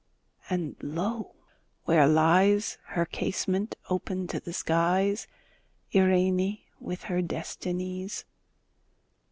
and lo! where lies (Her casement open to the skies) Irene, with her Destinies!